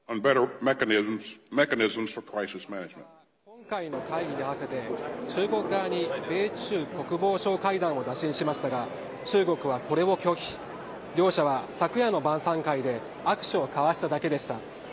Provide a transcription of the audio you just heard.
今回の会議に合わせて中国側に米中国防相会談を打診しましたが中国はこれを拒否。両者は昨夜の晩さん会で握手を交わしただけでした。